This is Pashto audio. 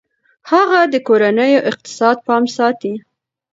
هغې د کورني اقتصاد پام ساتي.